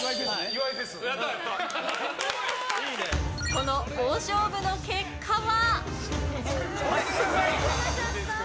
この大勝負の結果は。